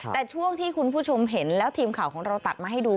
แต่ช่วงที่คุณผู้ชมเห็นแล้วทีมข่าวของเราตัดมาให้ดู